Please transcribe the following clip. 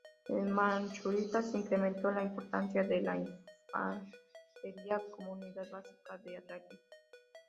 En Manchuria se incrementó la importancia de la infantería como unidad básica de ataque.